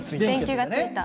電球がついた。